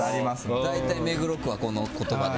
大体、目黒区はこの言葉で。